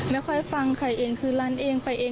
ไม่ค่อยฟังใครเองคือร้านเองไปเอง